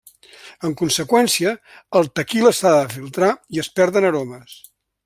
En conseqüència, el tequila s’ha de filtrar i es perden aromes.